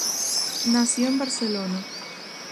Nació en Barcelona.